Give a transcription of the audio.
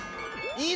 いい。